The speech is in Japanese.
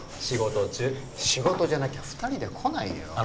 仕事中仕事じゃなきゃ二人で来ないよ